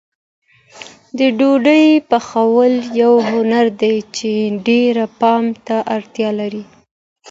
د ډوډۍ پخول یو هنر دی چې ډېر پام ته اړتیا لري.